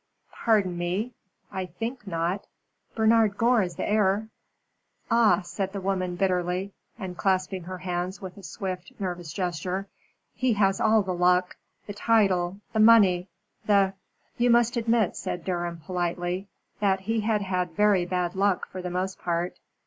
"Pardon me, I think not. Bernard Gore is the heir." "Ah!" said the woman, bitterly, and clasping her hands with a swift, nervous gesture. "He has all the luck the title the money the " "You must admit," said Durham, politely, "that he had had very bad luck for the most part."